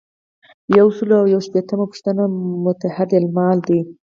یو سل او یو شپیتمه پوښتنه متحدالمال ده.